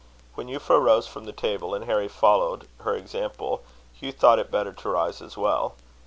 When Euphra rose from the table, and Harry followed her example, Hugh thought it better to rise as well.